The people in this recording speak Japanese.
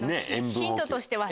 ヒントとしては。